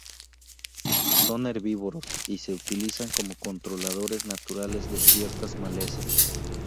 Son herbívoros y se utilizan como controladores naturales de ciertas malezas.